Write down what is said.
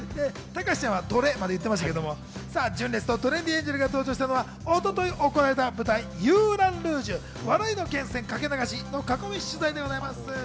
たかしちゃんはトレまで言ってましたけど、純烈とトレンディエンジェルが登場したのは一昨日行われた舞台『ユーラン・ルージュ笑いの源泉かけ流し！』の囲み取材でございます。